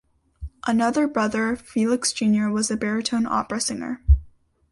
Another brother, Felix Junior was a baritone opera singer.